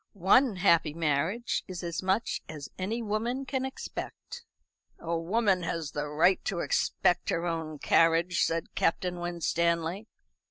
"One happy marriage is as much as any woman can expect." "A woman has the right to expect her own carriage," said Captain Winstanley.